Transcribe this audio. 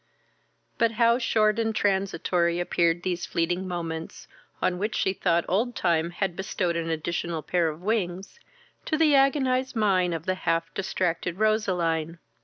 But how short and transitory appeared these fleeting moments (on which she thought old time had bestowed an additional pair of wings) to the agonized mind of the half distracted Roseline!